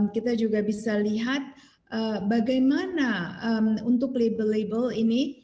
kita juga bisa lihat bagaimana untuk label label ini